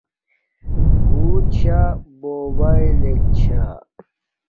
بوت شا بوباݵلک چھا